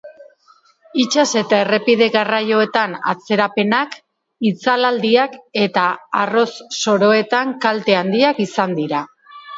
Itsas eta errepide garraioetan atzerapenak, itzalaldiak eta arroz-soroetan kalte handiak izan dira.